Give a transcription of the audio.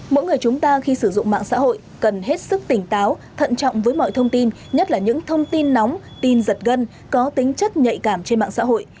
mỗi người chúng ta khi sử dụng mạng xã hội cần hết sức tỉnh táo thận trọng với mọi thông tin nhất là những thông tin nóng tin giật gân có tính chất nhạy cảm trên mạng xã hội